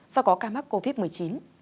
do có ca mắc covid một mươi chín